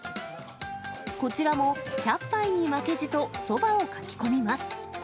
こちらも１００杯に負けじとそばをかき込みます。